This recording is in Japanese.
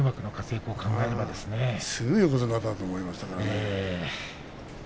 すぐ横綱だと思いましたからね。